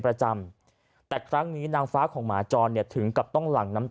ประจำแต่ครั้งนี้นางฟ้าของหมาจรเนี่ยถึงกับต้องหลั่งน้ำ